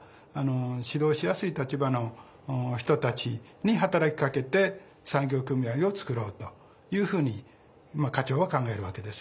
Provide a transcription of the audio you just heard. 指導しやすい立場の人たちに働きかけて産業組合を作ろうというふうに課長は考えるわけです。